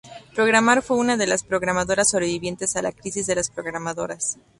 Programar fue una de las programadoras sobrevivientes a la crisis de las programadoras.